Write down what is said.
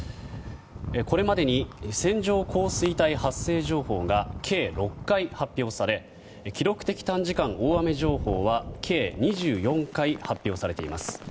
これまでに線状降水帯発生情報が計６回発表され記録的短時間大雨情報は計２４回発表されています。